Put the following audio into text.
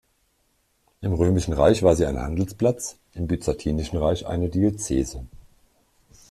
Im Römischen Reich war sie ein Handelsplatz, im Byzantinischen Reich eine Diözese.